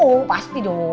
oh pasti dong